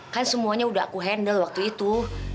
kan semuanya udah aku handle waktu itu